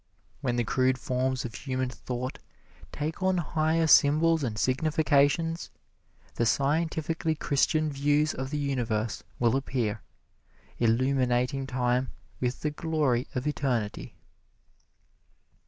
When the crude forms of human thought take on higher symbols and significations, the scientifically Christian views of the universe will appear, illuminating time with the glory of eternity."